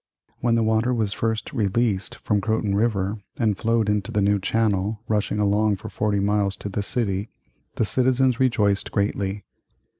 When the water was first released from Croton River and flowed into the new channel, rushing along for forty miles to the city, the citizens rejoiced greatly.